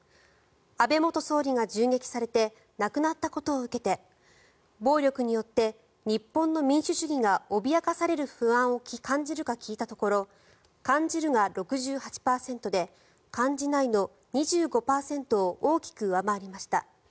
安倍元総理が銃撃されて亡くなったことを受けて暴力によって日本の民主主義が脅かされる不安を感じるか聞いたところ感じるが６８％で感じないの２５％を大きく上回りました。